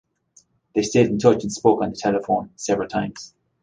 They stayed in touch and spoke on the telephone several times.